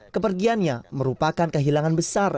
kepergiannya merupakan kehilangan besar